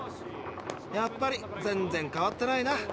やっぱり全然変わってないな。